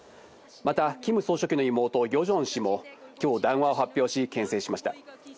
またキム総書記の妹・ヨジョン氏も今日、談話を発表し、けん制しました。